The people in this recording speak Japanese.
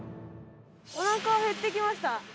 おなか減ってきました。